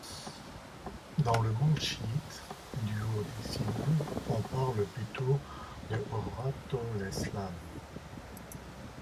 Dans le monde chiite duodécimain, on parle plutôt de Hojatoleslam.